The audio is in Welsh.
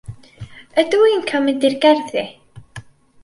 Ydw i'n cael mynd i'r gerddi?